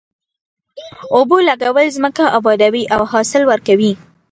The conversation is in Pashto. اوبو لګول ځمکه ابادوي او حاصل ورکوي.